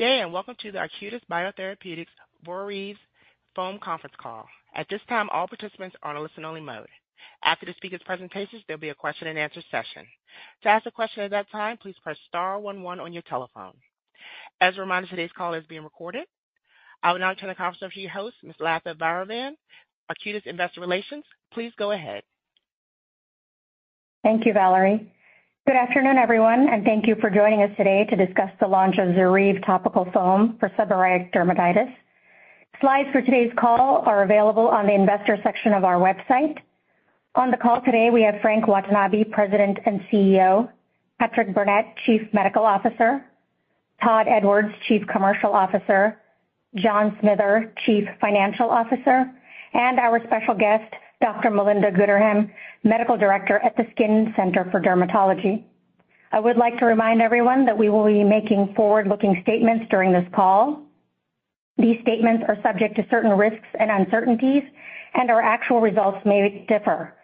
Good day, and welcome to the Arcutis Biotherapeutics ZORYVE foam Conference Call. At this time, all participants are on a listen-only mode. After the speaker's presentations, there'll be a question-and-answer session. To ask a question at that time, please press star one one on your telephone. As a reminder, today's call is being recorded. I will now turn the conference over to your host, Ms. Latha Vairavan, Arcutis Investor Relations. Please go ahead. Thank you, Valerie. Good afternoon, everyone, and thank you for joining us today to discuss the launch of ZORYVE topical foam for seborrheic dermatitis. Slides for today's call are available on the investor section of our website. On the call today, we have Frank Watanabe, President and CEO; Patrick Burnett, Chief Medical Officer; Todd Edwards, Chief Commercial Officer; John Smither, Chief Financial Officer; and our special guest, Dr. Melinda Gooderham, Medical Director at the SKiN Centre for Dermatology. I would like to remind everyone that we will be making forward-looking statements during this call. These statements are subject to certain risks and uncertainties, and our actual results may differ.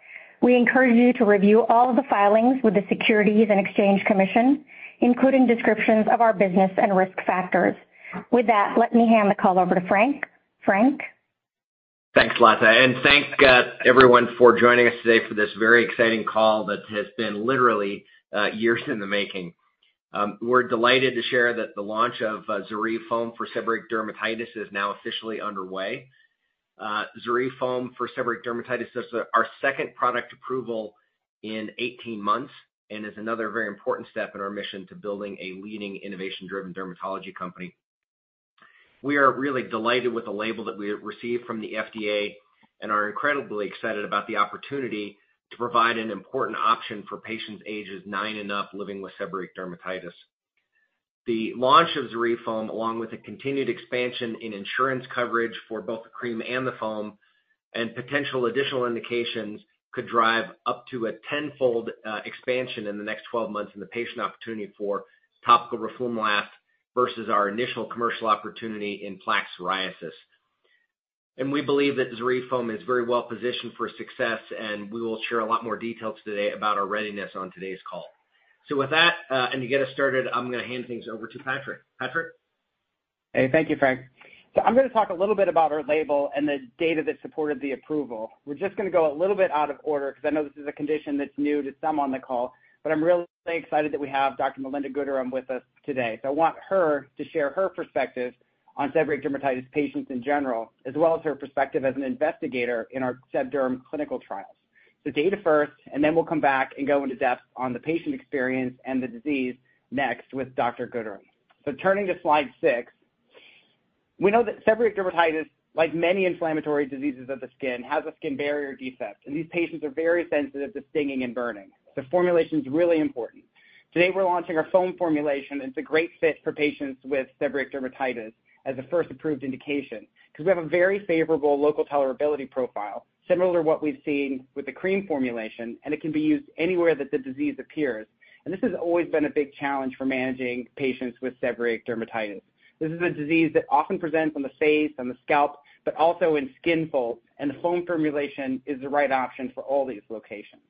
We encourage you to review all the filings with the Securities and Exchange Commission, including descriptions of our business and risk factors. With that, let me hand the call over to Frank. Frank? Thanks, Latha, and thank everyone for joining us today for this very exciting call that has been literally years in the making. We're delighted to share that the launch of ZORYVE foam for seborrheic dermatitis is now officially underway. ZORYVE foam for seborrheic dermatitis is our second product approval in 18 months and is another very important step in our mission to building a leading innovation-driven dermatology company. We are really delighted with the label that we received from the FDA and are incredibly excited about the opportunity to provide an important option for patients ages 9 and up living with seborrheic dermatitis. The launch of ZORYVE foam, along with the continued expansion in insurance coverage for both the cream and the foam, and potential additional indications, could drive up to a 10-fold expansion in the next 12 months in the patient opportunity for topical roflumilast versus our initial commercial opportunity in plaque psoriasis. We believe that ZORYVE foam is very well positioned for success, and we will share a lot more details today about our readiness on today's call. With that, and to get us started, I'm going to hand things over to Patrick. Patrick? Hey, thank you, Frank. So I'm going to talk a little bit about our label and the data that supported the approval. We're just going to go a little bit out of order because I know this is a condition that's new to some on the call, but I'm really excited that we have Dr. Melinda Gooderham with us today. So I want her to share her perspective on seborrheic dermatitis patients in general, as well as her perspective as an investigator in our SebDerm clinical trials. So data first, and then we'll come back and go into depth on the patient experience and the disease next with Dr. Melinda Gooderham. So turning to slide six, we know that seborrheic dermatitis, like many inflammatory diseases of the skin, has a skin barrier defect, and these patients are very sensitive to stinging and burning. So formulation is really important. Today, we're launching our foam formulation, and it's a great fit for patients with seborrheic dermatitis as the first approved indication because we have a very favorable local tolerability profile, similar to what we've seen with the cream formulation, and it can be used anywhere that the disease appears. This has always been a big challenge for managing patients with seborrheic dermatitis. This is a disease that often presents on the face, on the scalp, but also in skin folds, and the foam formulation is the right option for all these locations.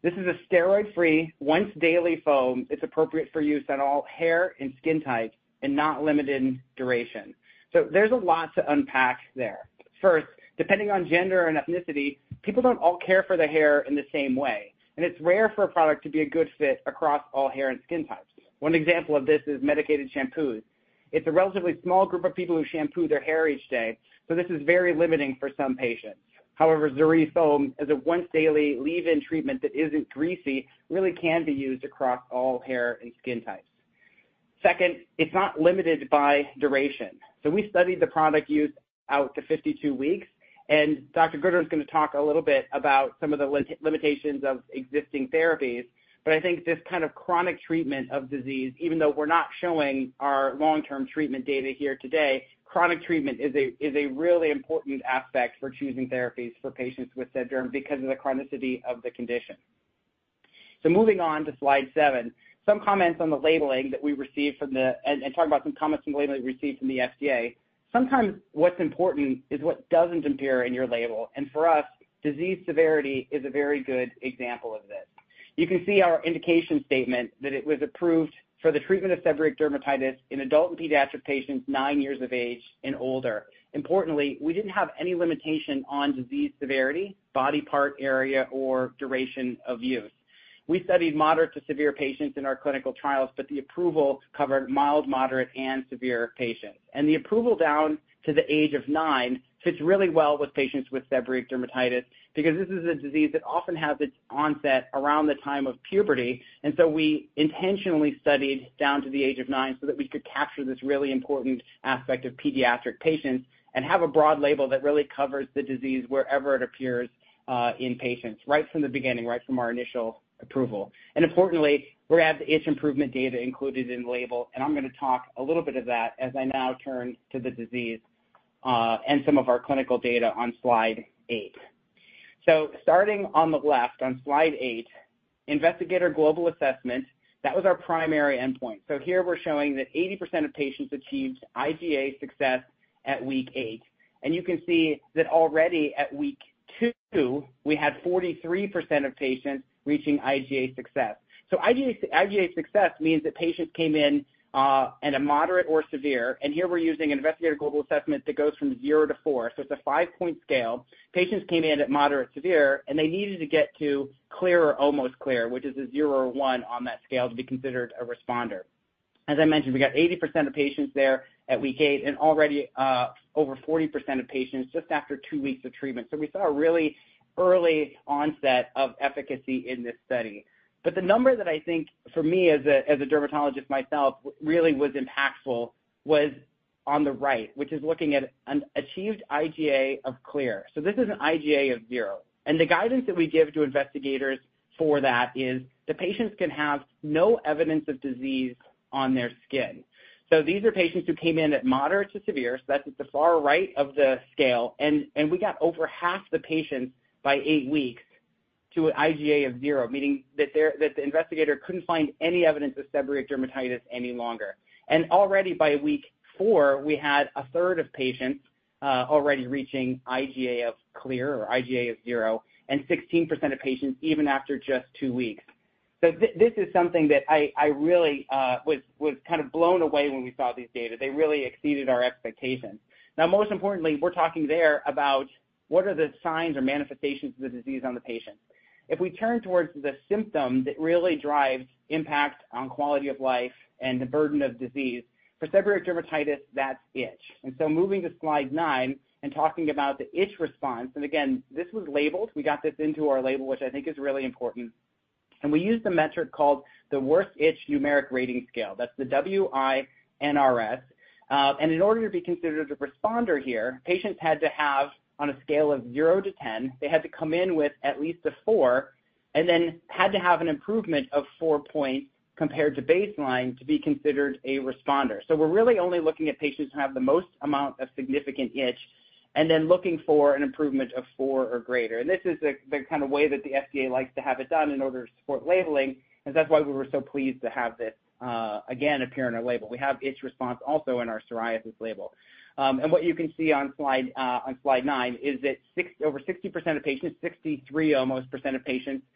This is a steroid-free, once-daily foam. It's appropriate for use on all hair and skin types and not limited in duration. There's a lot to unpack there. First, depending on gender and ethnicity, people don't all care for the hair in the same way, and it's rare for a product to be a good fit across all hair and skin types. One example of this is medicated shampoos. It's a relatively small group of people who shampoo their hair each day, so this is very limiting for some patients. However, ZORYVE foam, as a once-daily leave-in treatment that isn't greasy, really can be used across all hair and skin types. Second, it's not limited by duration. So we studied the product use out to 52 weeks, and Dr. Gooderham is going to talk a little bit about some of the limitations of existing therapies. But I think this kind of chronic treatment of disease, even though we're not showing our long-term treatment data here today, chronic treatment is a really important aspect for choosing therapies for patients with Sebderm because of the chronicity of the condition. So moving on to slide seven, some comments on the labeling that we received from the FDA, and talking about some comments from the labeling we received from the FDA. Sometimes what's important is what doesn't appear in your label, and for us, disease severity is a very good example of this. You can see our indication statement that it was approved for the treatment of seborrheic dermatitis in adult and pediatric patients nine years of age and older. Importantly, we didn't have any limitation on disease severity, body part, area, or duration of use. We studied moderate to severe patients in our clinical trials, but the approval covered mild, moderate, and severe patients. The approval down to the age of nine fits really well with patients with seborrheic dermatitis because this is a disease that often has its onset around the time of puberty. So we intentionally studied down to the age of nine so that we could capture this really important aspect of pediatric patients and have a broad label that really covers the disease wherever it appears, in patients, right from the beginning, right from our initial approval. Importantly, we have the itch improvement data included in the label, and I'm going to talk a little bit of that as I now turn to the disease, and some of our clinical data on slide eight. So starting on the left, on slide eight, Investigator Global Assessment, that was our primary endpoint. So here we're showing that 80% of patients achieved IGA success at week eight. And you can see that already at week two, we had 43% of patients reaching IGA success. So IGA, IGA success means that patients came in at a moderate or severe, and here we're using an Investigator Global Assessment that goes from zero to four. So it's a five-point scale. Patients came in at moderate, severe, and they needed to get to clear or almost clear, which is a 0 or 1 on that scale, to be considered a responder. As I mentioned, we got 80% of patients there at week eight and already over 40% of patients just after two weeks of treatment. So we saw a really early onset of efficacy in this study. But the number that I think for me as a, as a dermatologist myself, really was impactful, was on the right, which is looking at an achieved IGA of clear. So this is an IGA of zero, and the guidance that we give to investigators for that is the patients can have no evidence of disease on their skin. So these are patients who came in at moderate to severe, so that's at the far right of the scale, and, and we got over half the patients by eight weeks to an IGA of zero, meaning that there, that the investigator couldn't find any evidence of seborrheic dermatitis any longer. Already by week four, we had a third of patients already reaching IGA of clear or IGA of zero, and 16% of patients even after just two weeks. So this is something that I really was kind of blown away when we saw these data. They really exceeded our expectations. Now, most importantly, we're talking there about what are the signs or manifestations of the disease on the patient. If we turn towards the symptom that really drives impact on quality of life and the burden of disease, for seborrheic dermatitis, that's itch. And so moving to slide nine and talking about the itch response, and again, this was labeled. We got this into our label, which I think is really important. And we used a metric called the Worst Itch Numeric Rating Scale. That's the WI-NRS. And in order to be considered a responder here, patients had to have, on a scale of 0-10, they had to come in with at least a four, and then had to have an improvement of four points compared to baseline to be considered a responder. So we're really only looking at patients who have the most amount of significant itch, and then looking for an improvement of four or greater. And this is the, the kind of way that the FDA likes to have it done in order to support labeling, and that's why we were so pleased to have this, again, appear in our label. We have itch response also in our psoriasis label. And what you can see on slide nine is that over 60% of patients, almost 63% of patients,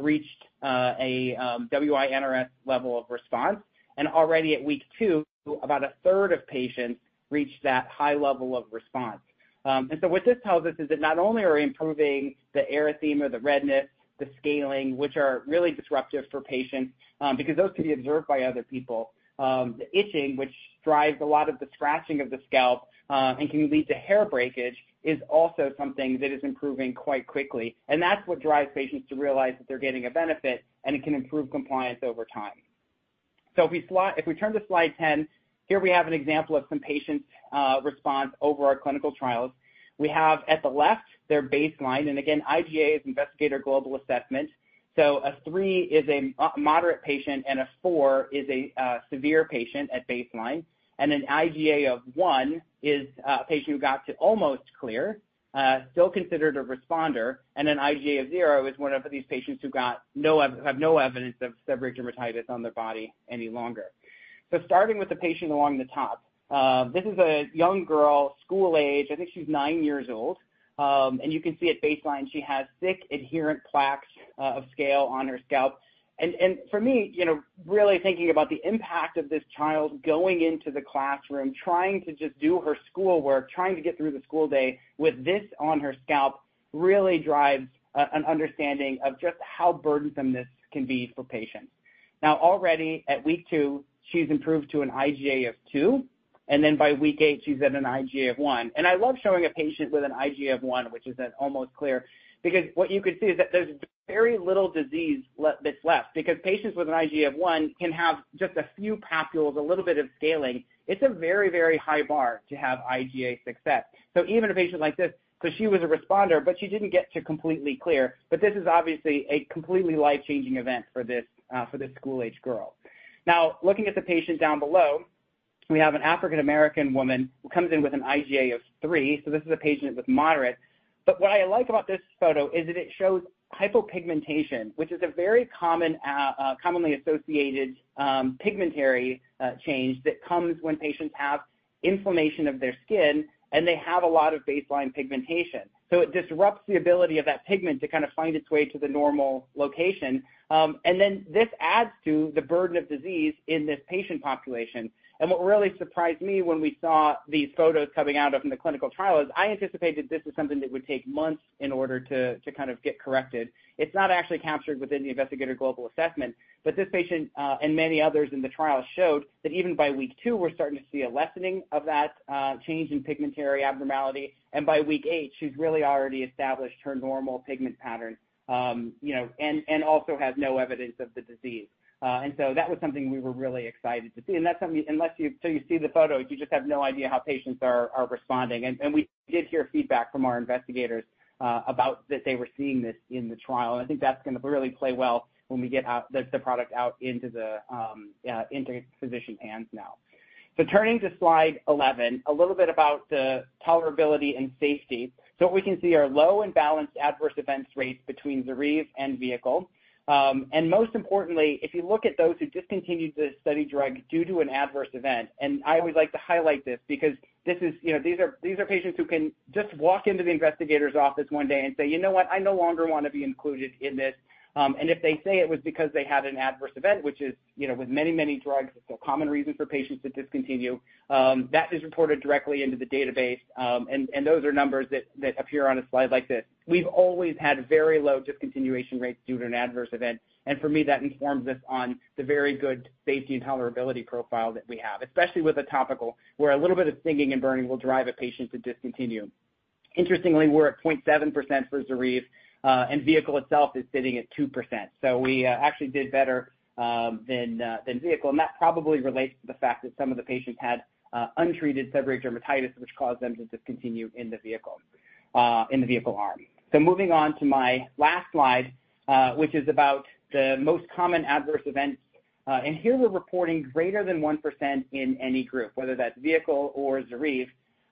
reached a WI-NRS level of response. And already at week two, about a third of patients reached that high level of response. And so what this tells us is that not only are we improving the erythema, the redness, the scaling, which are really disruptive for patients, because those can be observed by other people, the itching, which drives a lot of the scratching of the scalp, and can lead to hair breakage, is also something that is improving quite quickly. And that's what drives patients to realize that they're getting a benefit, and it can improve compliance over time. So if we turn to slide 10, here we have an example of some patients' response over our clinical trials. We have at the left, their baseline, and again, IGA is Investigator Global Assessment. So a three is a moderate patient, and a four is a severe patient at baseline. And an IGA of one is a patient who got to almost clear, still considered a responder, and an IGA of zero is one of these patients who have no evidence of seborrheic dermatitis on their body any longer. So starting with the patient along the top, this is a young girl, school age, I think she's nine years old. And you can see at baseline, she has thick, adherent plaques of scale on her scalp. For me, you know, really thinking about the impact of this child going into the classroom, trying to just do her schoolwork, trying to get through the school day with this on her scalp, really drives an understanding of just how burdensome this can be for patients. Now, already at week two, she's improved to an IGA of two, and then by week eight, she's at an IGA of one. And I love showing a patient with an IGA of one, which is an almost clear, because what you can see is that there's very little disease left, because patients with an IGA of one can have just a few papules, a little bit of scaling. It's a very, very high bar to have IGA success. So even a patient like this, because she was a responder, but she didn't get to completely clear, but this is obviously a completely life-changing event for this school-age girl. Now, looking at the patient down below, we have an African American woman who comes in with an IGA of three. So this is a patient with moderate. But what I like about this photo is that it shows hypopigmentation, which is a very common commonly associated pigmentary change that comes when patients have inflammation of their skin, and they have a lot of baseline pigmentation. So it disrupts the ability of that pigment to kind of find its way to the normal location. And then this adds to the burden of disease in this patient population. What really surprised me when we saw these photos coming out of the clinical trial is I anticipated this was something that would take months in order to, to kind of get corrected. It's not actually captured within the Investigator Global Assessment, but this patient and many others in the trial showed that even by week two, we're starting to see a lessening of that change in pigmentary abnormality, and by week eight, she's really already established her normal pigment pattern, you know, and also has no evidence of the disease. And so that was something we were really excited to see. That's something, unless you till you see the photos, you just have no idea how patients are responding. We did hear feedback from our investigators about that they were seeing this in the trial, and I think that's gonna really play well when we get the product out into physician hands now. Turning to slide 11, a little bit about the tolerability and safety. What we can see are low and balanced adverse events rates between ZORYVE and vehicle. And most importantly, if you look at those who discontinued the study drug due to an adverse event, and I always like to highlight this because this is, you know, these are patients who can just walk into the investigator's office one day and say, "You know what? I no longer want to be included in this." And if they say it was because they had an adverse event, which is, you know, with many, many drugs, it's a common reason for patients to discontinue, that is reported directly into the database. And those are numbers that appear on a slide like this. We've always had very low discontinuation rates due to an adverse event, and for me, that informs us on the very good safety and tolerability profile that we have, especially with a topical, where a little bit of stinging and burning will drive a patient to discontinue. Interestingly, we're at 0.7% for ZORYVE, and vehicle itself is sitting at 2%. So we actually did better than vehicle, and that probably relates to the fact that some of the patients had untreated seborrheic dermatitis, which caused them to discontinue in the vehicle arm. So moving on to my last slide, which is about the most common adverse events. And here we're reporting greater than 1% in any group, whether that's vehicle or ZORYVE.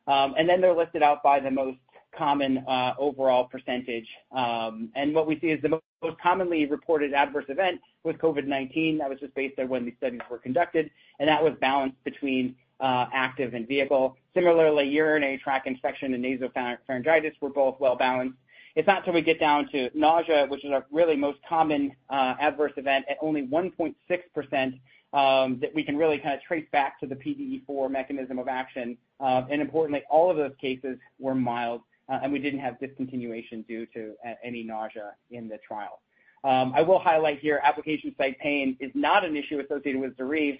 And then they're listed out by the most common overall percentage. And what we see is the most commonly reported adverse event with COVID-19. That was just based on when these studies were conducted, and that was balanced between active and vehicle. Similarly, urinary tract infection and nasopharyngitis were both well-balanced. It's not until we get down to nausea, which is a really most common adverse event at only 1.6%, that we can really kind of trace back to the PDE4 mechanism of action. And importantly, all of those cases were mild, and we didn't have discontinuation due to any nausea in the trial. I will highlight here, application site pain is not an issue associated with ZORYVE,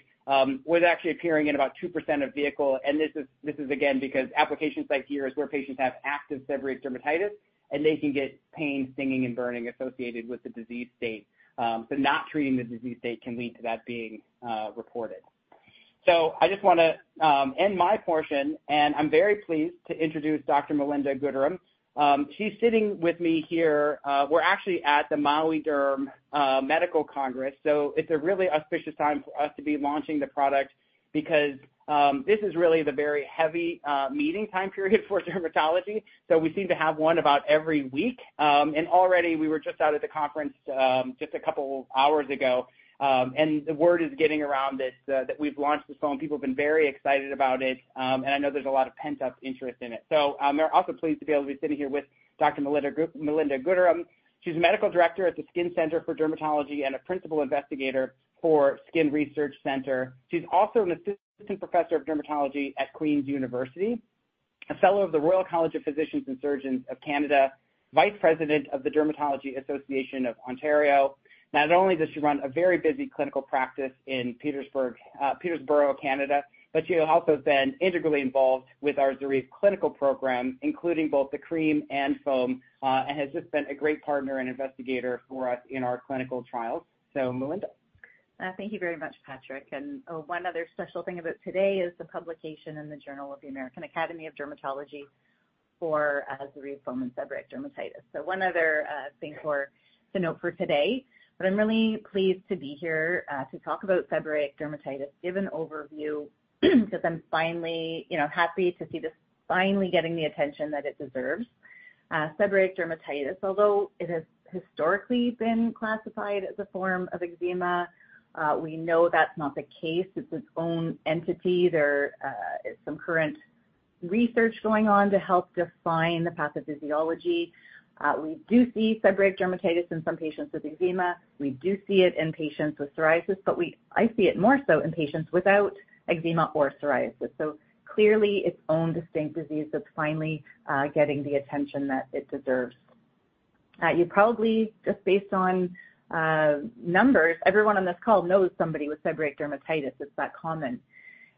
with actually appearing in about 2% of vehicle. And this is, this is again, because application site here is where patients have active seborrheic dermatitis, and they can get pain, stinging, and burning associated with the disease state. So not treating the disease state can lead to that being reported. So I just wanna end my portion, and I'm very pleased to introduce Dr. Melinda Gooderham. She's sitting with me here. We're actually at the Maui Derm Medical Congress, so it's a really auspicious time for us to be launching the product because, this is really the very heavy, meeting time period for dermatology. So we seem to have one about every week. And already we were just out at the conference, just a couple hours ago, and the word is getting around this, that we've launched this foam. People have been very excited about it, and I know there's a lot of pent-up interest in it. So I'm also pleased to be able to be sitting here with Dr. Melinda Gooderham. She's Medical Director at the SKiN Centre for Dermatology and a principal investigator for SKiN Research Centre. She's also an assistant professor of dermatology at Queen's University, a fellow of the Royal College of Physicians and Surgeons of Canada, Vice President of the Dermatology Association of Ontario. Not only does she run a very busy clinical practice in Peterborough, Canada, but she has also been integrally involved with our ZORYVE clinical program, including both the cream and foam, and has just been a great partner and investigator for us in our clinical trials. So Melinda. Thank you very much, Patrick. Oh, one other special thing about today is the publication in the Journal of the American Academy of Dermatology for ZORYVE foam and seborrheic dermatitis. So one other thing to note for today, but I'm really pleased to be here to talk about seborrheic dermatitis, give an overview, because I'm finally, you know, happy to see this finally getting the attention that it deserves. Seborrheic dermatitis, although it has historically been classified as a form of eczema, we know that's not the case. It's its own entity. There is some current research going on to help define the pathophysiology. We do see seborrheic dermatitis in some patients with eczema. We do see it in patients with psoriasis, but I see it more so in patients without eczema or psoriasis. So clearly, its own distinct disease that's finally getting the attention that it deserves. You probably, just based on numbers, everyone on this call knows somebody with seborrheic dermatitis. It's that common,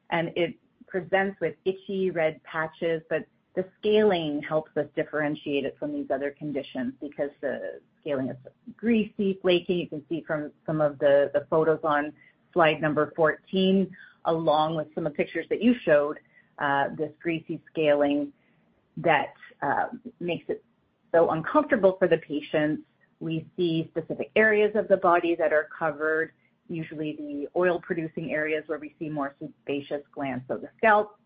and it presents with itchy red patches, but the scaling helps us differentiate it from these other conditions because the scaling is greasy, flaky. You can see from some of the photos on slide number 14, along with some of the pictures that you showed, this greasy scaling that makes it so uncomfortable for the patients. We see specific areas of the body that are covered, usually the oil-producing areas where we see more sebaceous glands. So the scalp,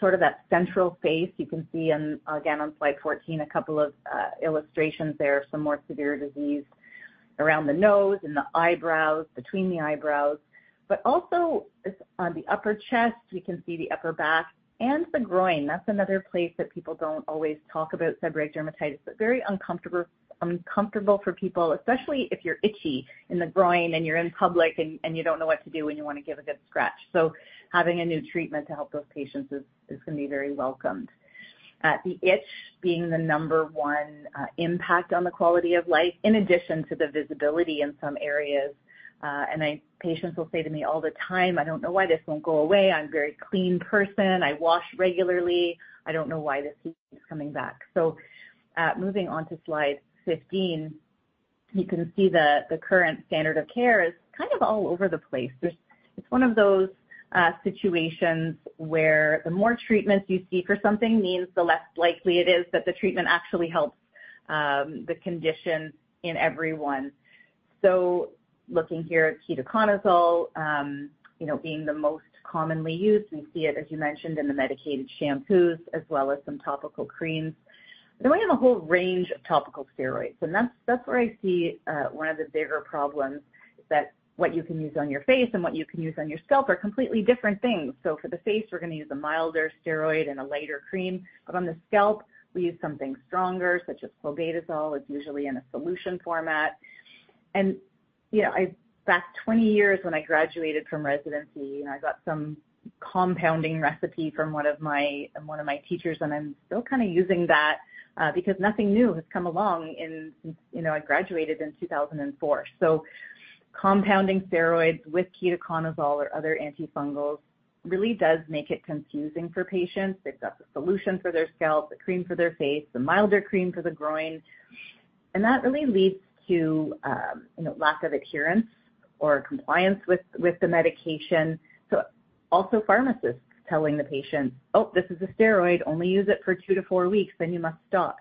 sort of that central face. You can see on, again, on slide 14, a couple of illustrations there, some more severe disease around the nose and the eyebrows, between the eyebrows, but also it's on the upper chest. You can see the upper back and the groin. That's another place that people don't always talk about seborrheic dermatitis, but very uncomfortable, uncomfortable for people, especially if you're itchy in the groin and you're in public and you don't know what to do, and you want to give a good scratch. So having a new treatment to help those patients is going to be very welcomed. The itch being the number one impact on the quality of life, in addition to the visibility in some areas. And patients will say to me all the time: "I don't know why this won't go away. I'm a very clean person. I wash regularly. I don't know why this keeps coming back." So, moving on to slide 15, you can see the current standard of care is kind of all over the place. It's one of those situations where the more treatments you see for something means the less likely it is that the treatment actually helps the condition in everyone. So looking here at ketoconazole, you know, being the most commonly used, we see it, as you mentioned, in the medicated shampoos as well as some topical creams. But we have a whole range of topical steroids, and that's where I see one of the bigger problems, is that what you can use on your face and what you can use on your scalp are completely different things. So for the face, we're gonna use a milder steroid and a lighter cream. But on the scalp, we use something stronger, such as clobetasol. It's usually in a solution format. And, you know, I back 20 years when I graduated from residency, and I got some compounding recipe from one of my, one of my teachers, and I'm still kind of using that, because nothing new has come along since, you know, I graduated in 2004. So compounding steroids with ketoconazole or other antifungals really does make it confusing for patients. They've got the solution for their scalp, the cream for their face, the milder cream for the groin, and that really leads to, you know, lack of adherence or compliance with, with the medication. So also pharmacists telling the patient, "Oh, this is a steroid. Only use it for two to four weeks, then you must stop."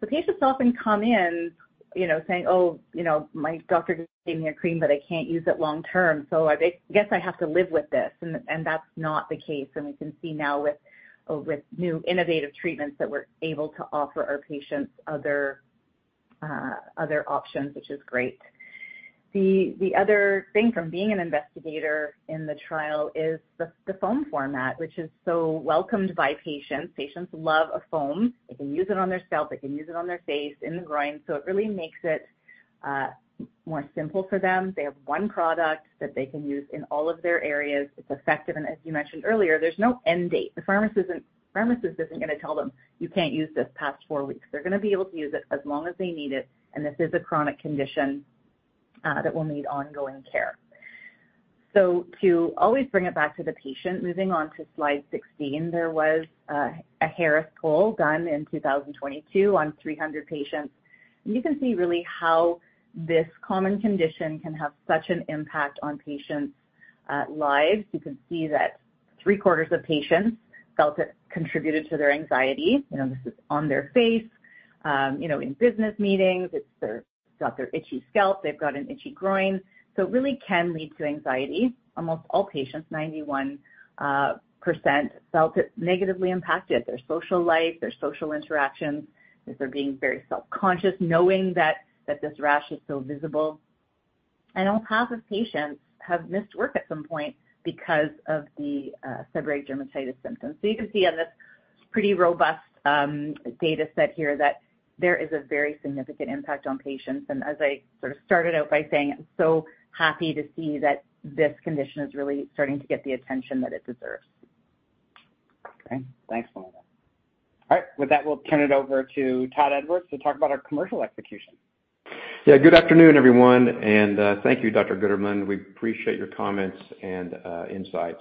The patients often come in, you know, saying, "Oh, you know, my doctor gave me a cream, but I can't use it long-term, so I guess I have to live with this." And that's not the case. And we can see now with new innovative treatments that we're able to offer our patients other options, which is great. The other thing from being an investigator in the trial is the foam format, which is so welcomed by patients. Patients love a foam. They can use it on their scalp, they can use it on their face, in the groin, so it really makes it more simple for them. They have one product that they can use in all of their areas. It's effective, and as you mentioned earlier, there's no end date. The pharmacist isn't gonna tell them, "You can't use this past four weeks." They're gonna be able to use it as long as they need it, and this is a chronic condition that will need ongoing care. So to always bring it back to the patient, moving on to slide 16, there was a Harris Poll done in 2022 on 300 patients. And you can see really how this common condition can have such an impact on patients' lives. You can see that three-quarters of patients felt it contributed to their anxiety. You know, this is on their face, you know, in business meetings, it's their got their itchy scalp, they've got an itchy groin, so it really can lead to anxiety. Almost all patients, 91%, felt it negatively impacted their social life, their social interactions, as they're being very self-conscious, knowing that this rash is so visible. Almost half of patients have missed work at some point because of the seborrheic dermatitis symptoms. You can see on this pretty robust data set here that there is a very significant impact on patients. As I sort of started out by saying, I'm so happy to see that this condition is really starting to get the attention that it deserves. Okay, thanks, Melinda. All right, with that, we'll turn it over to Todd Edwards to talk about our commercial execution. Yeah, good afternoon, everyone, and thank you, Dr. Gooderham. We appreciate your comments and insights.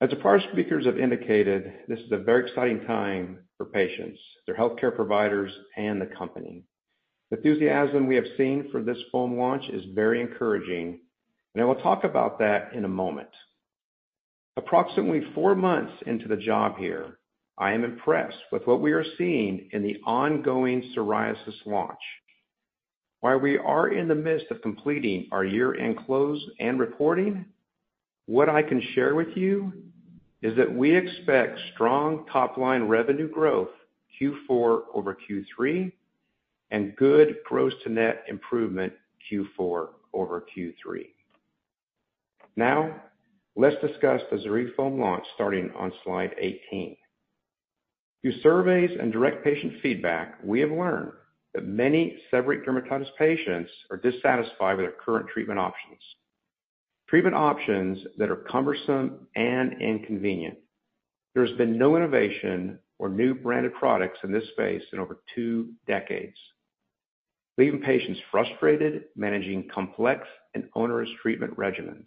As our prior speakers have indicated, this is a very exciting time for patients, their healthcare providers, and the company. The enthusiasm we have seen for this foam launch is very encouraging, and I will talk about that in a moment. Approximately four months into the job here, I am impressed with what we are seeing in the ongoing psoriasis launch. While we are in the midst of completing our year-end close and reporting, what I can share with you is that we expect strong top-line revenue growth Q4 over Q3, and good gross-to-net improvement Q4 over Q3. Now, let's discuss the ZORYVE Foam launch starting on slide 18. Through surveys and direct patient feedback, we have learned that many seborrheic dermatitis patients are dissatisfied with their current treatment options, treatment options that are cumbersome and inconvenient. There's been no innovation or new branded products in this space in over two decades, leaving patients frustrated, managing complex and onerous treatment regimens.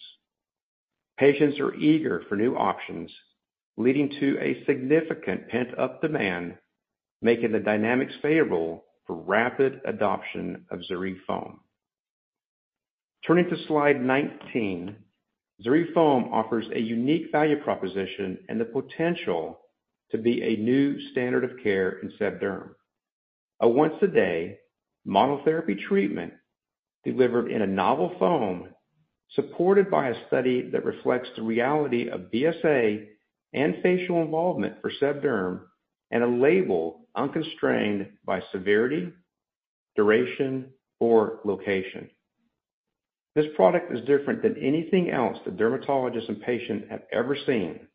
Patients are eager for new options, leading to a significant pent-up demand, making the dynamics favorable for rapid adoption of ZORYVE Foam. Turning to slide 19, ZORYVE Foam offers a unique value proposition and the potential to be a new standard of care in seb derm. A once-a-day monotherapy treatment delivered in a novel foam, supported by a study that reflects the reality of BSA and facial involvement for seb derm, and a label unconstrained by severity, duration, or location. This product is different than anything else that dermatologists and patients have ever seen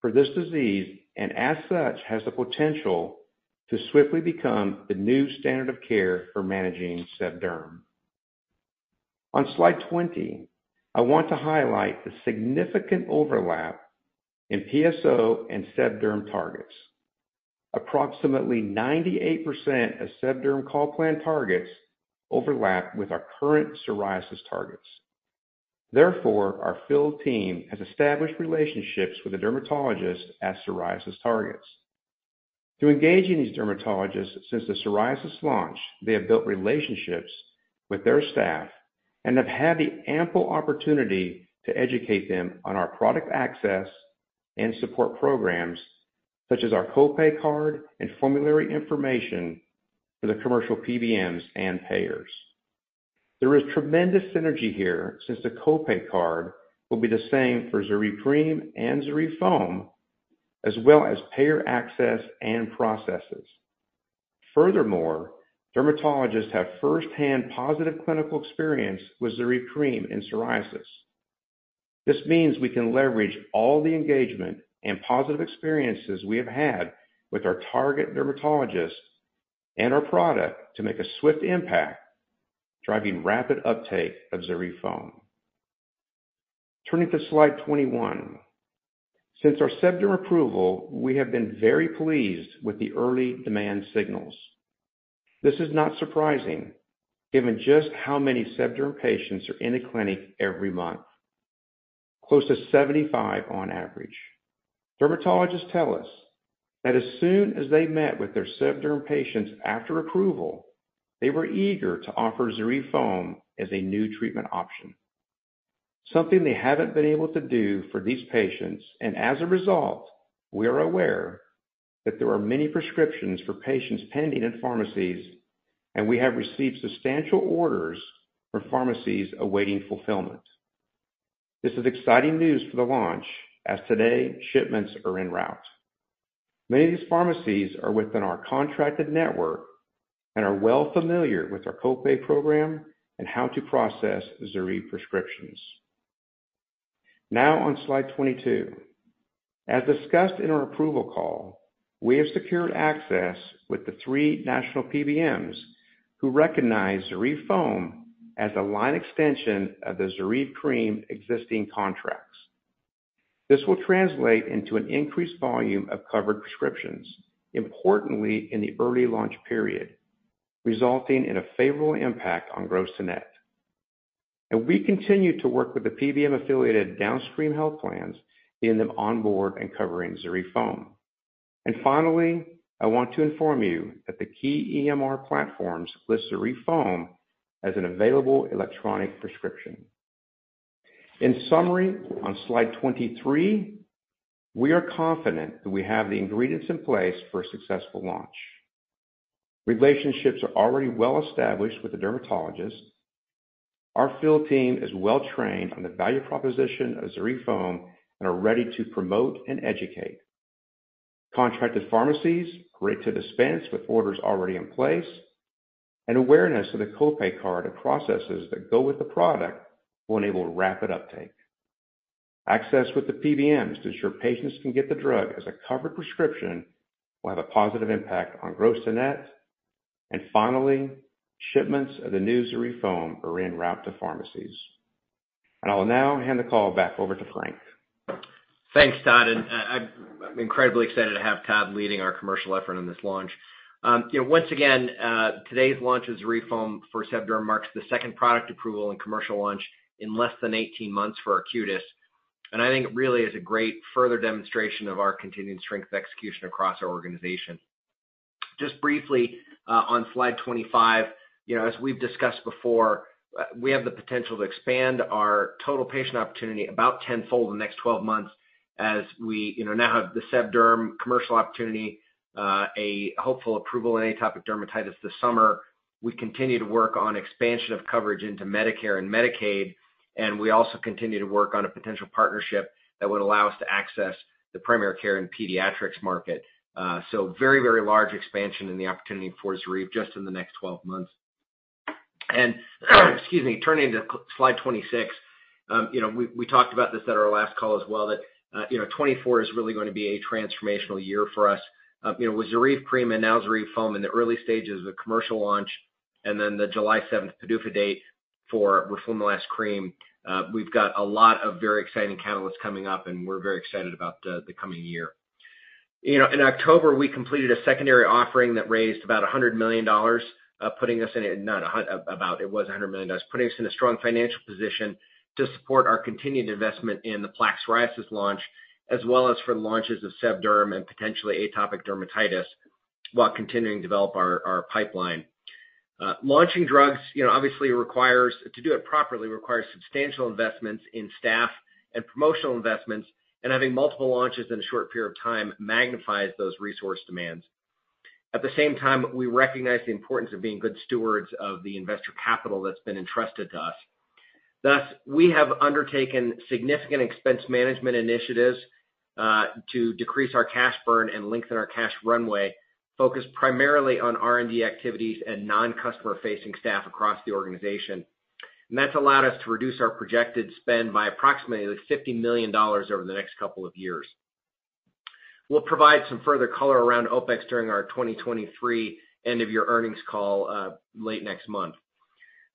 for this disease, and as such, has the potential to swiftly become the new standard of care for managing seb derm. On slide 20, I want to highlight the significant overlap in PSO and seb derm targets. Approximately 98% of seb derm call plan targets overlap with our current psoriasis targets. Therefore, our field team has established relationships with the dermatologists at psoriasis targets. To engage these dermatologists, since the psoriasis launch, they have built relationships with their staff and have had ample opportunity to educate them on our product access and support programs, such as our co-pay card and formulary information for the commercial PBMs and payers. There is tremendous synergy here, since the co-pay card will be the same for ZORYVE Cream and ZORYVE Foam, as well as payer access and processes. Furthermore, dermatologists have first-hand positive clinical experience with ZORYVE Cream in psoriasis. This means we can leverage all the engagement and positive experiences we have had with our target dermatologists and our product to make a swift impact, driving rapid uptake of ZORYVE Foam. Turning to slide 21. Since our SebDerm approval, we have been very pleased with the early demand signals. This is not surprising, given just how many SebDerm patients are in the clinic every month, close to 75 on average. Dermatologists tell us that as soon as they met with their SebDerm patients after approval, they were eager to offer ZORYVE Foam as a new treatment option, something they haven't been able to do for these patients, and as a result, we are aware that there are many prescriptions for patients pending in pharmacies, and we have received substantial orders from pharmacies awaiting fulfillment. This is exciting news for the launch, as today, shipments are en route. Many of these pharmacies are within our contracted network and are well familiar with our co-pay program and how to process ZORYVE prescriptions. Now on slide 22. As discussed in our approval call, we have secured access with the three national PBMs, who recognize ZORYVE Foam as a line extension of the ZORYVE Cream existing contracts. This will translate into an increased volume of covered prescriptions, importantly, in the early launch period, resulting in a favorable impact on gross-to-net. We continue to work with the PBM-affiliated downstream health plans, getting them on board and covering ZORYVE Foam. Finally, I want to inform you that the key EMR platforms list ZORYVE Foam as an available electronic prescription. In summary, on slide 23, we are confident that we have the ingredients in place for a successful launch. Relationships are already well established with the dermatologists. Our field team is well trained on the value proposition of ZORYVE Foam and are ready to promote and educate. Contracted pharmacies are ready to dispense, with orders already in place, and awareness of the co-pay card and processes that go with the product will enable rapid uptake. Access with the PBMs to ensure patients can get the drug as a covered prescription will have a positive impact on gross-to-net. And finally, shipments of the new ZORYVE Foam are en route to pharmacies. And I will now hand the call back over to Frank. Thanks, Todd, and, I'm incredibly excited to have Todd leading our commercial effort on this launch. You know, once again, today's launch of ZORYVE Foam for SebDerm marks the second product approval and commercial launch in less than 18 months for Arcutis, and I think it really is a great further demonstration of our continued strength execution across our organization. Just briefly, on slide 25, you know, as we've discussed before, we have the potential to expand our total patient opportunity about 10-fold in the next 12 months as we, you know, now have the SebDerm commercial opportunity, a hopeful approval in atopic dermatitis this summer. We continue to work on expansion of coverage into Medicare and Medicaid, and we also continue to work on a potential partnership that would allow us to access the primary care and pediatrics market. So very, very large expansion in the opportunity for ZORYVE just in the next 12 months. Excuse me, turning to slide 26, you know, we talked about this at our last call as well, that, you know, 2024 is really going to be a transformational year for us. You know, with ZORYVE Cream and now ZORYVE Foam in the early stages of the commercial launch, and then the July seventh PDUFA date for roflumilast cream, we've got a lot of very exciting catalysts coming up, and we're very excited about the coming year. You know, in October, we completed a secondary offering that raised about $100 million, putting us in a strong financial position to support our continued investment in the plaque psoriasis launch, as well as for the launches of SebDerm and potentially atopic dermatitis, while continuing to develop our pipeline. Launching drugs, you know, obviously requires—to do it properly—requires substantial investments in staff and promotional investments, and having multiple launches in a short period of time magnifies those resource demands. At the same time, we recognize the importance of being good stewards of the investor capital that's been entrusted to us. Thus, we have undertaken significant expense management initiatives to decrease our cash burn and lengthen our cash runway, focused primarily on R&D activities and non-customer-facing staff across the organization. And that's allowed us to reduce our projected spend by approximately $50 million over the next couple of years. We'll provide some further color around OpEx during our 2023 end-of-year earnings call late next month.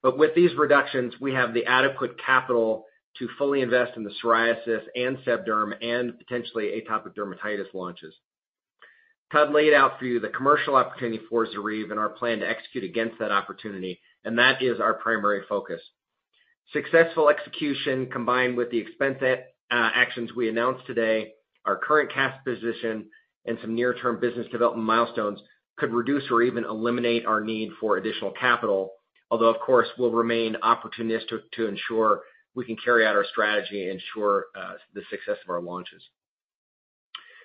But with these reductions, we have the adequate capital to fully invest in the psoriasis and SebDerm and potentially atopic dermatitis launches. Todd laid out for you the commercial opportunity for ZORYVE and our plan to execute against that opportunity, and that is our primary focus. Successful execution, combined with the expense at, actions we announced today, our current cash position, and some near-term business development milestones, could reduce or even eliminate our need for additional capital, although, of course, we'll remain opportunistic to ensure we can carry out our strategy and ensure, the success of our launches.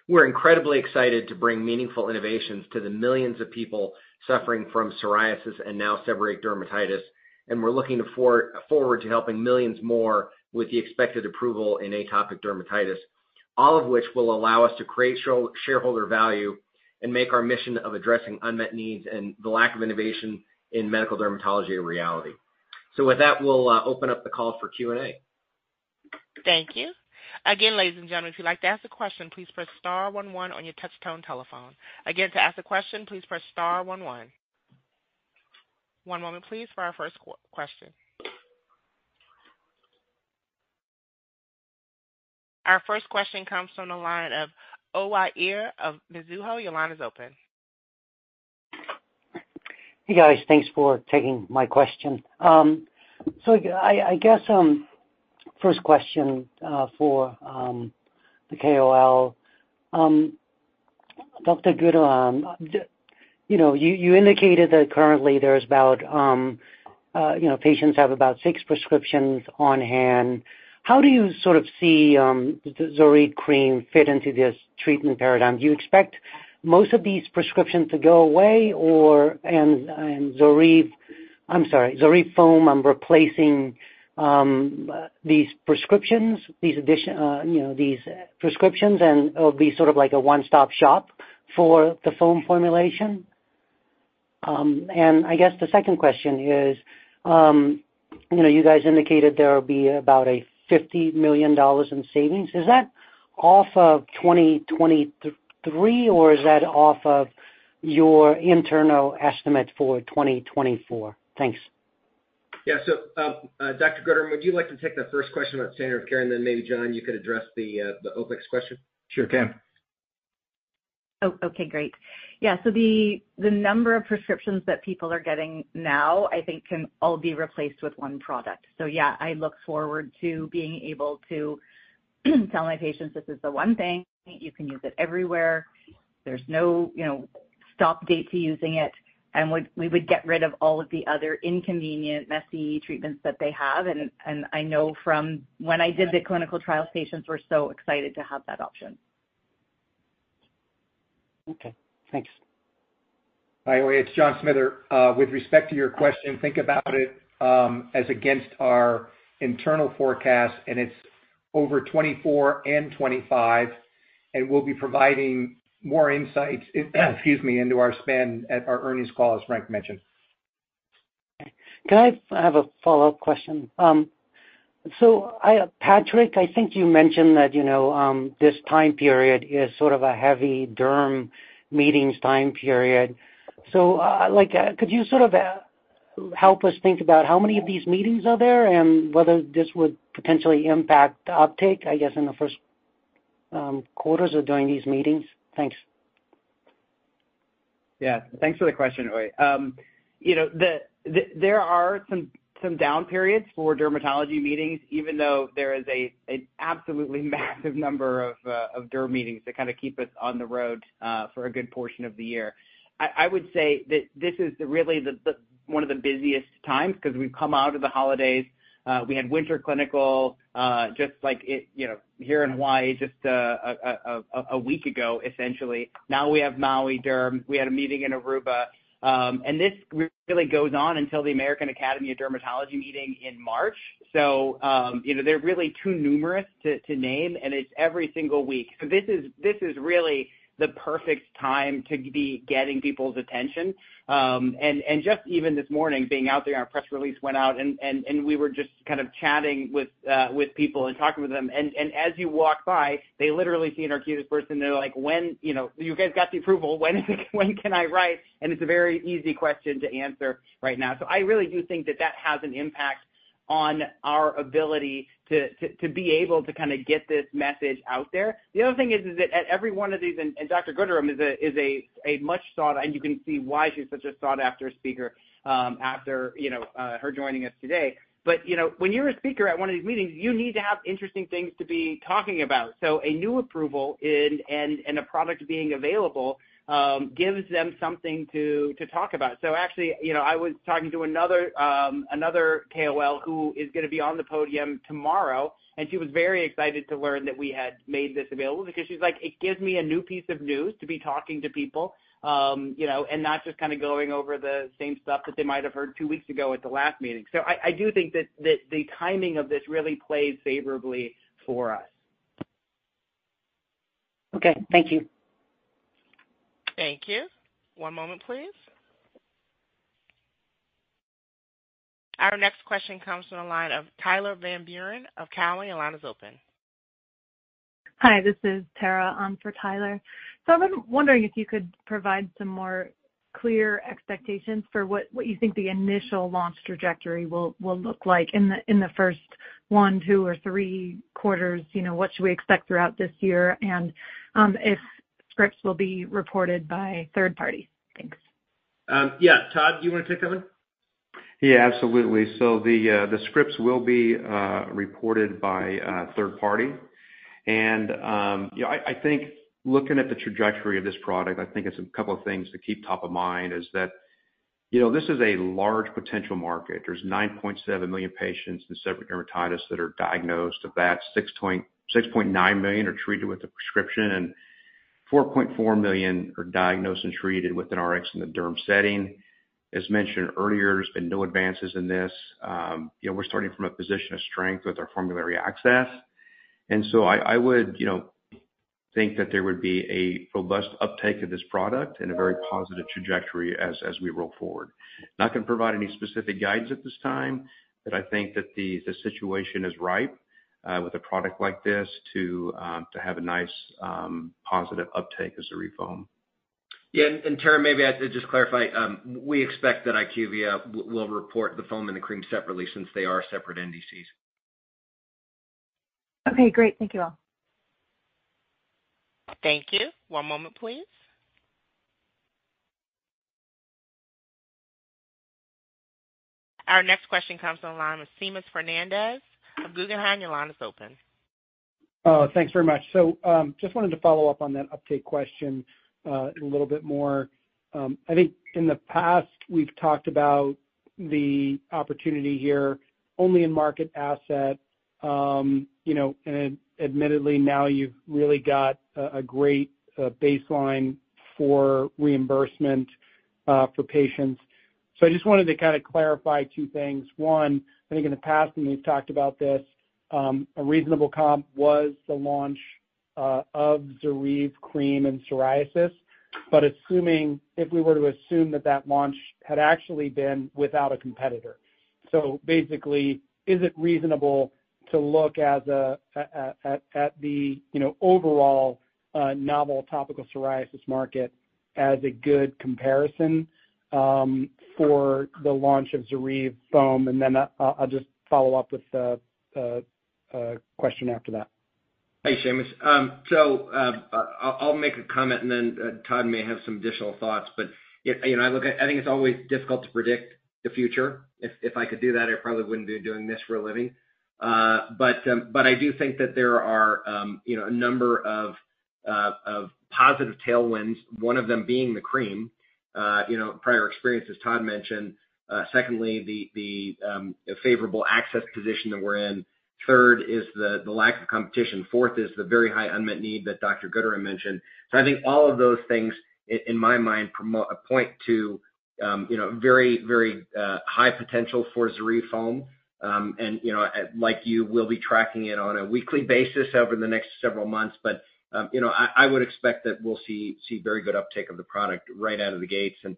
...We're incredibly excited to bring meaningful innovations to the millions of people suffering from psoriasis and now seborrheic dermatitis, and we're looking forward to helping millions more with the expected approval in atopic dermatitis, all of which will allow us to create shareholder value and make our mission of addressing unmet needs and the lack of innovation in medical dermatology a reality. So with that, we'll open up the call for Q&A. Thank you. Again, ladies and gentlemen, if you'd like to ask a question, please press star one one on your touchtone telephone. Again, to ask a question, please press star one one. One moment, please, for our first question. Our first question comes from the line of Uy Ear of Mizuho. Your line is open. Hey, guys, thanks for taking my question. So I guess first question for the KOL. Dr. Gooderham, you know, you indicated that currently there's about, you know, patients have about six prescriptions on hand. How do you sort of see the ZORYVE cream fit into this treatment paradigm? Do you expect most of these prescriptions to go away or, and, and ZORYVE, I'm sorry, ZORYVE foam, replacing these prescriptions, these additional, you know, these prescriptions and it'll be sort of like a one-stop shop for the foam formulation? And I guess the second question is, you know, you guys indicated there will be about $50 million in savings. Is that off of 2023, or is that off of your internal estimate for 2024? Thanks. Yeah. So, Dr. Gooderham, would you like to take the first question about standard of care, and then maybe, John, you could address the OpEx question? Sure can. Oh, okay, great. Yeah, so the number of prescriptions that people are getting now, I think, can all be replaced with one product. So yeah, I look forward to being able to tell my patients, "This is the one thing. You can use it everywhere. There's no, you know, stop date to using it," and we would get rid of all of the other inconvenient, messy treatments that they have. And I know from when I did the clinical trial, patients were so excited to have that option. Okay. Thanks. Hi, Uy, it's John Smither. With respect to your question, think about it as against our internal forecast, and it's over 2024 and 2025, and we'll be providing more insights, excuse me, into our spend at our earnings call, as Frank mentioned. Can I have a follow-up question? So, I, Patrick, I think you mentioned that, you know, this time period is sort of a heavy derm meetings time period. So, like, could you sort of, help us think about how many of these meetings are there and whether this would potentially impact the uptake, I guess, in the first, quarters or during these meetings? Thanks. Yeah, thanks for the question, Uy. You know, there are some down periods for dermatology meetings, even though there is an absolutely massive number of derm meetings to kind of keep us on the road for a good portion of the year. I would say that this is really the one of the busiest times, because we've come out of the holidays. We had Winter Clinical just like it, you know, here in Hawaii, just a week ago, essentially. Now we have Maui Derm. We had a meeting in Aruba. And this really goes on until the American Academy of Dermatology meeting in March. So, you know, they're really too numerous to name, and it's every single week. So this is really the perfect time to be getting people's attention. And just even this morning, being out there, our press release went out, and we were just kind of chatting with people and talking with them. And as you walk by, they literally see an Arcutis person, they're like: "When, you know, you guys got the approval, when can I write?" And it's a very easy question to answer right now. So I really do think that that has an impact on our ability to be able to kind of get this message out there. The other thing is that at every one of these, Dr. Gooderham is a much sought-after speaker, and you can see why she's such a sought-after speaker, you know, after her joining us today. But, you know, when you're a speaker at one of these meetings, you need to have interesting things to be talking about. So a new approval and a product being available gives them something to talk about. So actually, you know, I was talking to another KOL who is going to be on the podium tomorrow, and she was very excited to learn that we had made this available because she's like: It gives me a new piece of news to be talking to people, you know, and not just kind of going over the same stuff that they might have heard two weeks ago at the last meeting. So I do think that the timing of this really plays favorably for us. Okay, thank you. Thank you. One moment, please. Our next question comes from the line of Tyler Van Buren of Cowen. Your line is open. Hi, this is Tara, on for Tyler. I was wondering if you could provide some more clear expectations for what you think the initial launch trajectory will look like in the first 1, 2, or 3 quarters. You know, what should we expect throughout this year? If scripts will be reported by third party? Thanks. Yeah. Todd, you want to take that one? Yeah, absolutely. So the scripts will be reported by a third party. And, you know, I think looking at the trajectory of this product, I think it's a couple of things to keep top of mind is that...... You know, this is a large potential market. There's 9.7 million patients with seborrheic dermatitis that are diagnosed. Of that, 6.9 million are treated with a prescription, and 4.4 million are diagnosed and treated with an RX in the derm setting. As mentioned earlier, there's been no advances in this. You know, we're starting from a position of strength with our formulary access. So I would, you know, think that there would be a robust uptake of this product and a very positive trajectory as we roll forward. Not gonna provide any specific guidance at this time, but I think that the situation is ripe with a product like this to have a nice positive uptake as a reform. Yeah, and Tara, maybe I could just clarify. We expect that IQVIA will report the foam and the cream separately since they are separate NDCs. Okay, great. Thank you all. Thank you. One moment, please. Our next question comes on the line with Seamus Fernandez of Guggenheim. Your line is open. Thanks very much. So, just wanted to follow up on that uptake question a little bit more. I think in the past, we've talked about the opportunity here, only in market asset, you know, and admittedly, now you've really got a great baseline for reimbursement for patients. So I just wanted to kind of clarify two things. One, I think in the past, and we've talked about this, a reasonable comp was the launch of ZORYVE Cream and psoriasis. But assuming, if we were to assume that that launch had actually been without a competitor. So basically, is it reasonable to look at the overall novel topical psoriasis market as a good comparison for the launch of ZORYVE Foam? And then I'll just follow up with a question after that. Thanks, Seamus. So, I'll make a comment and then, Todd may have some additional thoughts. But, you know, I look at—I think it's always difficult to predict the future. If, if I could do that, I probably wouldn't be doing this for a living. But, I do think that there are, you know, a number of, of positive tailwinds, one of them being the cream. You know, prior experience, as Todd mentioned. Secondly, the, the, the favorable access position that we're in. Third is the, the lack of competition. Fourth is the very high unmet need that Dr. Gooderham mentioned. So I think all of those things, in my mind, promote—point to, you know, very, very, high potential for ZORYVE Foam. And, you know, like you, we'll be tracking it on a weekly basis over the next several months. But, you know, I would expect that we'll see very good uptake of the product right out of the gates. And,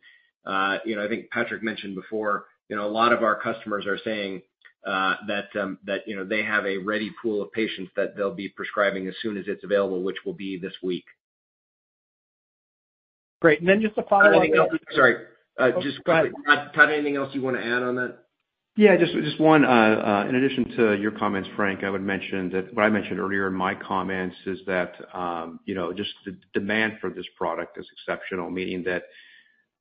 you know, I think Patrick mentioned before, you know, a lot of our customers are saying that, you know, they have a ready pool of patients that they'll be prescribing as soon as it's available, which will be this week. Great. And then just to follow up- Sorry, just- Go ahead. Todd, anything else you want to add on that? Yeah, just one. In addition to your comments, Frank, I would mention that what I mentioned earlier in my comments is that, you know, just the demand for this product is exceptional, meaning that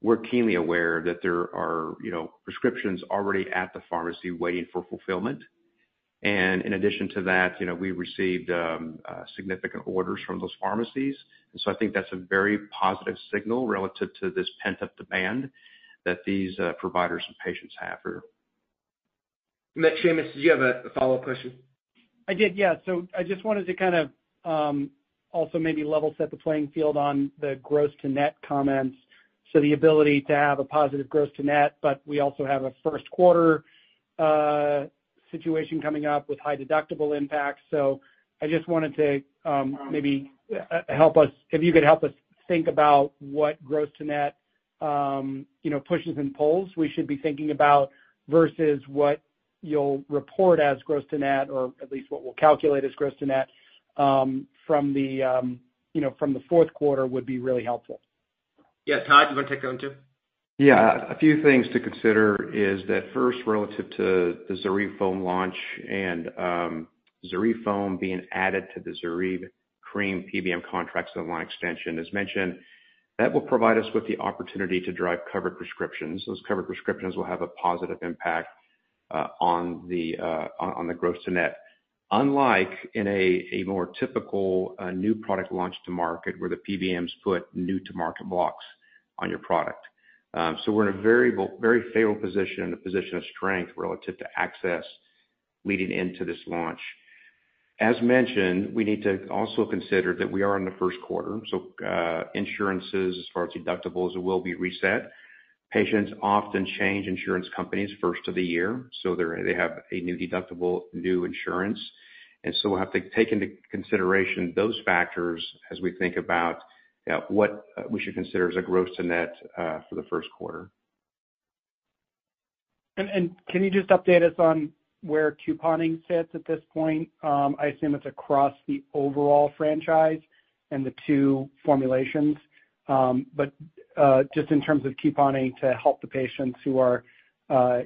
we're keenly aware that there are, you know, prescriptions already at the pharmacy waiting for fulfillment. And in addition to that, you know, we received significant orders from those pharmacies. So I think that's a very positive signal relative to this pent-up demand that these providers and patients have here. And Seamus, did you have a follow-up question? I did, yeah. So I just wanted to kind of also maybe level set the playing field on the gross-to-net comments. So the ability to have a positive gross-to-net, but we also have a first quarter situation coming up with high deductible impact. So I just wanted to maybe help us. If you could help us think about what gross-to-net, you know, pushes and pulls we should be thinking about versus what you'll report as gross-to-net, or at least what we'll calculate as gross-to-net from the, you know, from the fourth quarter, would be really helpful. Yeah, Todd, you want to take that one, too? Yeah, a few things to consider is that first, relative to the ZORYVE Foam launch and ZORYVE Foam being added to the ZORYVE Cream PBM contracts and line extension. As mentioned, that will provide us with the opportunity to drive covered prescriptions. Those covered prescriptions will have a positive impact on the gross-to-net, unlike in a more typical new product launch to market, where the PBMs put new-to-market blocks on your product. So we're in a very favorable position and a position of strength relative to access leading into this launch. As mentioned, we need to also consider that we are in the first quarter, so insurances, as far as deductibles, will be reset. Patients often change insurance companies first of the year, so they have a new deductible, new insurance. We'll have to take into consideration those factors as we think about what we should consider as a gross-to-net for the first quarter. Can you just update us on where couponing sits at this point? I assume it's across the overall franchise and the two formulations, but just in terms of couponing, to help the patients who are,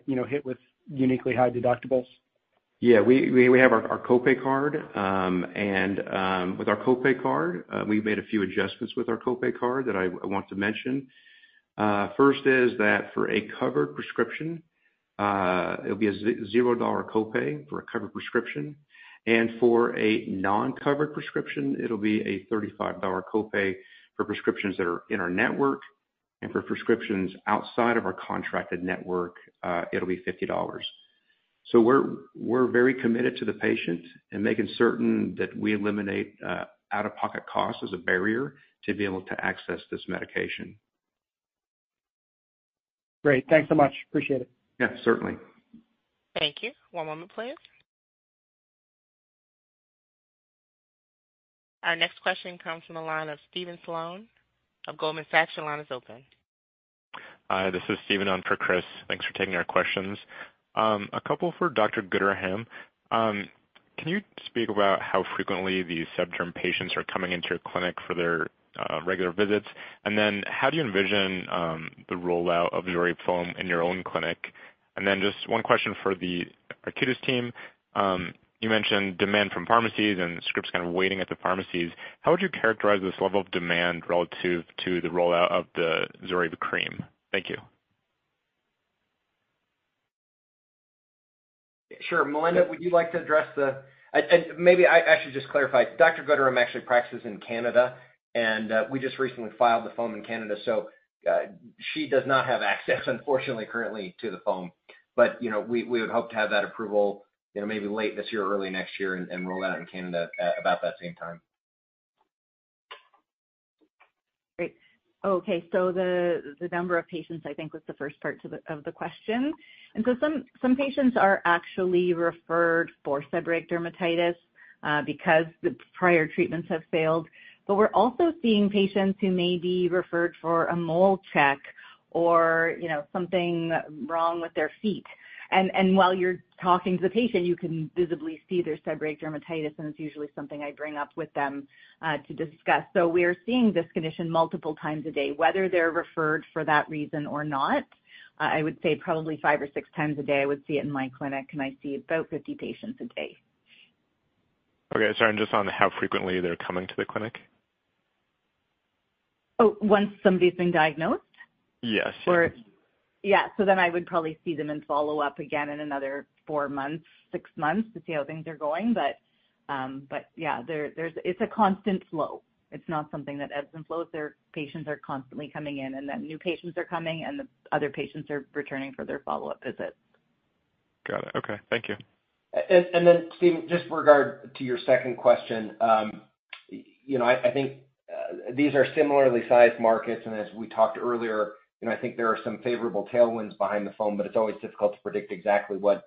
you know, hit with uniquely high deductibles. Yeah, we have our copay card, and with our copay card, we've made a few adjustments with our copay card that I want to mention. First is that for a covered prescription, it'll be a $0 copay for a covered prescription, and for a non-covered prescription, it'll be a $35 copay for prescriptions that are in our network. And for prescriptions outside of our contracted network, it'll be $50. So we're very committed to the patient and making certain that we eliminate out-of-pocket costs as a barrier to be able to access this medication. Great. Thanks so much. Appreciate it. Yeah, certainly. Thank you. One moment, please. Our next question comes from the line of Stephen Sloan of Goldman Sachs. Your line is open. Hi, this is Stephen on for Chris. Thanks for taking our questions. A couple for Dr. Gooderham. Can you speak about how frequently these seborrheic patients are coming into your clinic for their regular visits? And then how do you envision the rollout of ZORYVE foam in your own clinic? And then just one question for the Arcutis team. You mentioned demand from pharmacies and scripts kind of waiting at the pharmacies. How would you characterize this level of demand relative to the rollout of the ZORYVE cream? Thank you. Sure. Melinda, would you like to address the and maybe I should just clarify. Dr. Gooderham actually practices in Canada, and we just recently filed the foam in Canada, so she does not have access, unfortunately, currently to the foam. But, you know, we would hope to have that approval, you know, maybe late this year or early next year and roll out in Canada about that same time. Great. Okay, so the number of patients, I think, was the first part of the question. And so some patients are actually referred for seborrheic dermatitis because the prior treatments have failed. But we're also seeing patients who may be referred for a mole check or, you know, something wrong with their feet. And while you're talking to the patient, you can visibly see their seborrheic dermatitis, and it's usually something I bring up with them to discuss. So we're seeing this condition multiple times a day, whether they're referred for that reason or not. I would say probably five or six times a day, I would see it in my clinic, and I see about 50 patients a day. Okay, sorry, and just on how frequently they're coming to the clinic? Oh, once somebody's been diagnosed? Yes. Yeah. So then I would probably see them and follow up again in another four months, six months to see how things are going. But, yeah, there's a constant flow. It's not something that ebbs and flows. Their patients are constantly coming in, and then new patients are coming, and the other patients are returning for their follow-up visits. Got it. Okay, thank you. Then, Stephen, just with regard to your second question, you know, I think these are similarly sized markets, and as we talked earlier, you know, I think there are some favorable tailwinds behind the foam, but it's always difficult to predict exactly what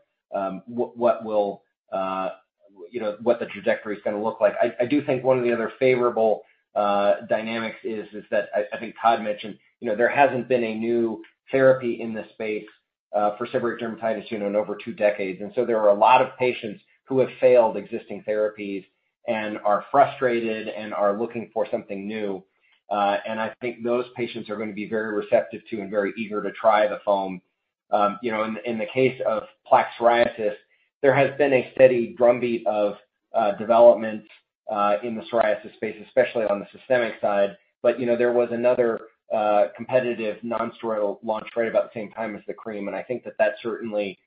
you know, what the trajectory is gonna look like. I do think one of the other favorable dynamics is that I think Todd mentioned, you know, there hasn't been a new therapy in this space for seborrheic dermatitis, you know, in over two decades. So there are a lot of patients who have failed existing therapies and are frustrated and are looking for something new. And I think those patients are going to be very receptive to and very eager to try the foam. You know, in the case of plaque psoriasis, there has been a steady drumbeat of development in the psoriasis space, especially on the systemic side. But, you know, there was another competitive nonsteroidal launch right about the same time as the cream. And I think that that certainly,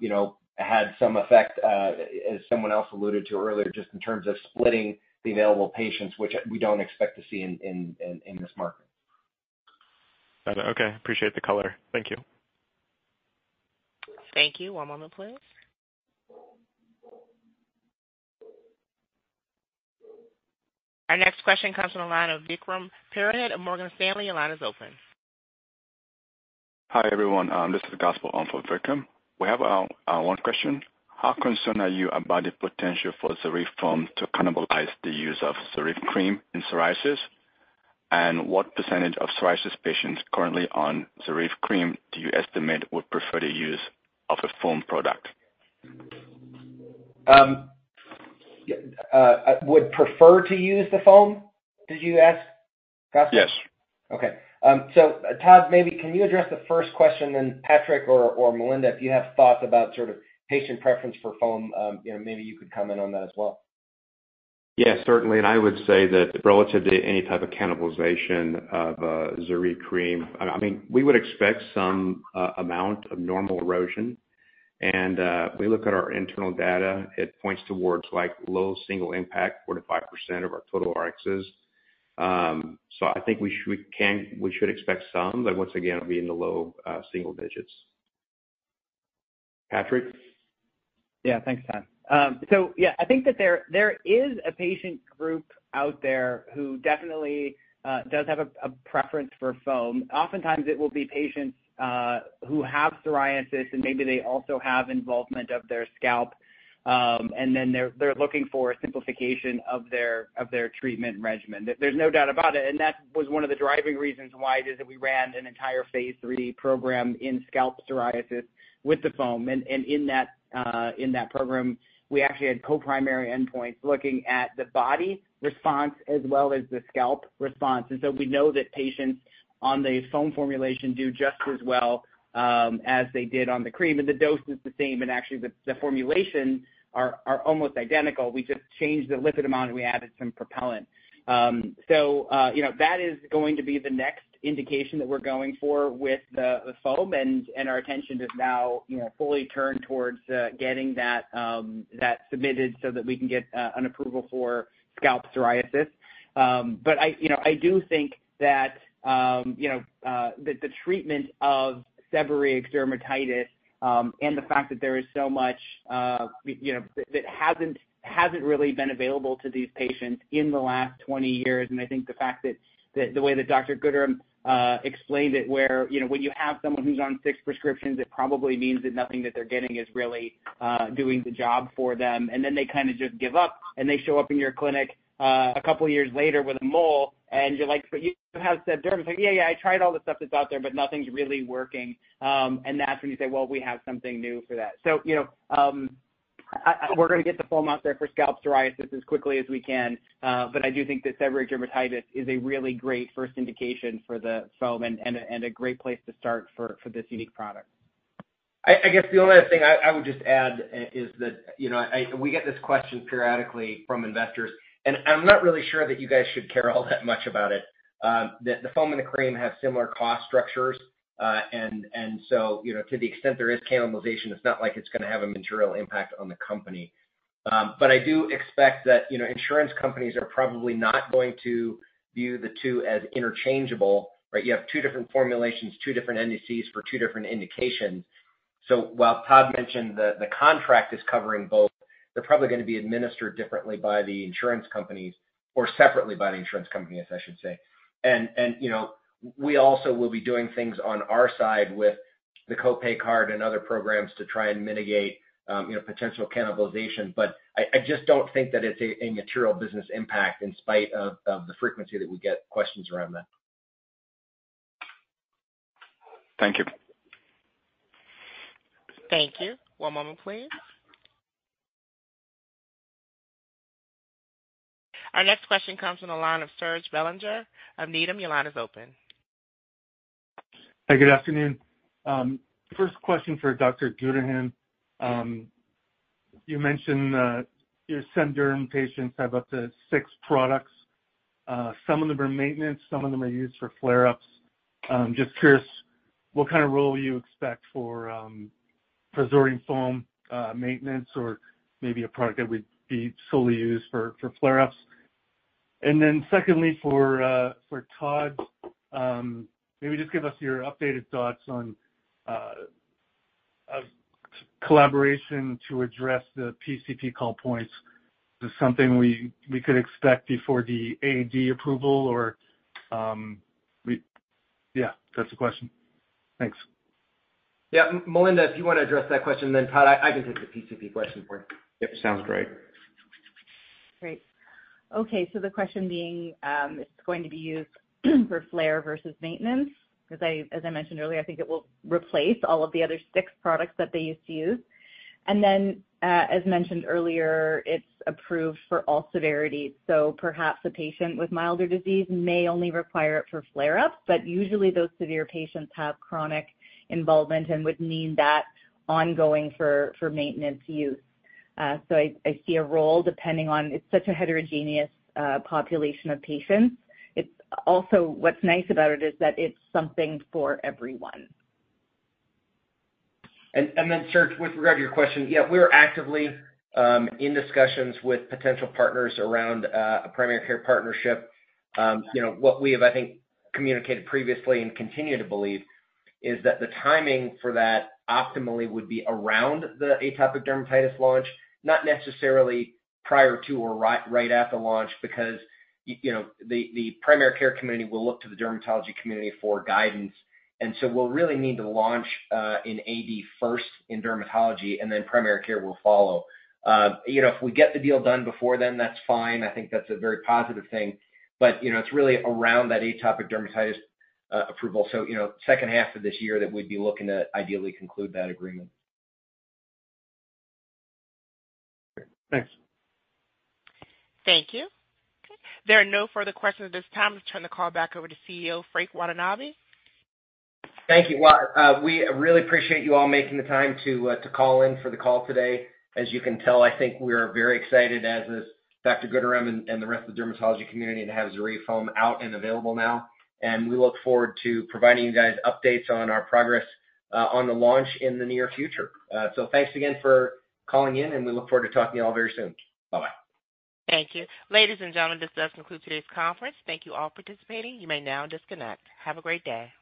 you know, had some effect, as someone else alluded to earlier, just in terms of splitting the available patients, which we don't expect to see in this market. Got it. Okay. Appreciate the color. Thank you. Thank you. One moment, please. Our next question comes from the line of Vikram Purohit of Morgan Stanley. Your line is open. Hi, everyone. This is Gospel on for Vikram. We have one question. How concerned are you about the potential for ZORYVE foam to cannibalize the use of ZORYVE cream in psoriasis? And what percentage of psoriasis patients currently on ZORYVE cream do you estimate would prefer the use of a foam product? Would prefer to use the foam, did you ask, Gospel? Yes. Okay. So Todd, maybe can you address the first question, then Patrick or, or Melinda, if you have thoughts about sort of patient preference for foam, you know, maybe you could comment on that as well. Yeah, certainly. I would say that relative to any type of cannibalization of ZORYVE cream, I mean, we would expect some amount of normal erosion. We look at our internal data, it points towards like low single impact, 4%-5% of our total Rx's. So I think we should—we can, we should expect some, but once again, it'll be in the low single digits.... Patrick? Yeah, thanks, Todd. So yeah, I think that there is a patient group out there who definitely does have a preference for foam. Oftentimes, it will be patients who have psoriasis, and maybe they also have involvement of their scalp. And then they're looking for a simplification of their treatment regimen. There's no doubt about it, and that was one of the driving reasons why it is that we ran an entire phase III program in scalp psoriasis with the foam. And in that program, we actually had co-primary endpoints looking at the body response as well as the scalp response. And so we know that patients on the foam formulation do just as well as they did on the cream, and the dose is the same, and actually, the formulations are almost identical. We just changed the lipid amount, and we added some propellant. So, you know, that is going to be the next indication that we're going for with the foam, and our attention is now, you know, fully turned towards getting that submitted so that we can get an approval for scalp psoriasis. But I, you know, I do think that, you know, the treatment of severe seborrheic dermatitis, and the fact that there is so much, you know, that hasn't really been available to these patients in the last 20 years. And I think the fact that the way that Dr. Gooderham explained it, where, you know, when you have someone who's on 6 prescriptions, it probably means that nothing that they're getting is really doing the job for them. Then they kind of just give up, and they show up in your clinic, a couple of years later with a mole, and you're like, "But you have seb derm." It's like, "Yeah, yeah, I tried all the stuff that's out there, but nothing's really working." And that's when you say: Well, we have something new for that. So, you know, we're gonna get the foam out there for scalp psoriasis as quickly as we can. But I do think that severe seborrheic dermatitis is a really great first indication for the foam and a great place to start for this unique product. I guess the only other thing I would just add is that, you know, we get this question periodically from investors, and I'm not really sure that you guys should care all that much about it. The foam and the cream have similar cost structures, and so, you know, to the extent there is cannibalization, it's not like it's gonna have a material impact on the company. But I do expect that, you know, insurance companies are probably not going to view the two as interchangeable, right? You have two different formulations, two different NDCs for two different indications. So while Todd mentioned the contract is covering both, they're probably gonna be administered differently by the insurance companies or separately by the insurance companies, I should say. you know, we also will be doing things on our side with the co-pay card and other programs to try and mitigate, you know, potential cannibalization. But I just don't think that it's a material business impact in spite of the frequency that we get questions around that. Thank you. Thank you. One moment, please. Our next question comes from the line of Serge Belanger of Needham. Your line is open. Hi, good afternoon. First question for Dr. Gooderham. You mentioned, your seb derm patients have up to six products. Some of them are maintenance, some of them are used for flare-ups. Just curious, what kind of role you expect for ZORYVE foam, maintenance, or maybe a product that would be solely used for flare-ups? And then secondly, for Todd, maybe just give us your updated thoughts on a collaboration to address the PCP call points. Is this something we could expect before the AD approval or, yeah, that's the question. Thanks. Yeah, Melinda, if you want to address that question, then, Todd, I, I can take the PCP question for you. Yep, sounds great. Great. Okay, so the question being, it's going to be used for flare versus maintenance, because I, as I mentioned earlier, I think it will replace all of the other six products that they used to use. And then, as mentioned earlier, it's approved for all severity. So perhaps a patient with milder disease may only require it for flare-ups, but usually those severe patients have chronic involvement and would need that ongoing for, for maintenance use. So I, I see a role depending on... It's such a heterogeneous, population of patients. It's also, what's nice about it is that it's something for everyone. Then, Serge, with regard to your question, yeah, we're actively in discussions with potential partners around a primary care partnership. You know, what we have, I think, communicated previously and continue to believe is that the timing for that optimally would be around the atopic dermatitis launch, not necessarily prior to or right after launch, because you know, the primary care community will look to the dermatology community for guidance. And so we'll really need to launch in AD first in dermatology, and then primary care will follow. You know, if we get the deal done before then, that's fine. I think that's a very positive thing. But you know, it's really around that atopic dermatitis approval. So you know, second half of this year that we'd be looking to ideally conclude that agreement. Great. Thanks. Thank you. There are no further questions at this time. Let's turn the call back over to CEO, Frank Watanabe. Thank you. Well, we really appreciate you all making the time to, to call in for the call today. As you can tell, I think we are very excited, as is Dr. Gooderham and, and the rest of the dermatology community, to have ZORYVE foam out and available now. And we look forward to providing you guys updates on our progress, on the launch in the near future. So thanks again for calling in, and we look forward to talking to you all very soon. Bye-bye. Thank you. Ladies and gentlemen, this does conclude today's conference. Thank you all for participating. You may now disconnect. Have a great day.